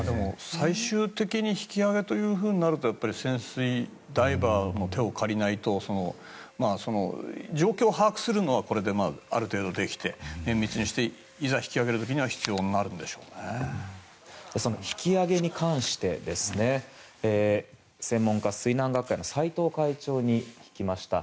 最終的に引き揚げとなるとやっぱり潜水、ダイバーの手を借りないと状況を把握するのはこれで、ある程度できて綿密にしていざ引き揚げる時にはその引き揚げに関して専門家、水難学会の斎藤会長に聞きました。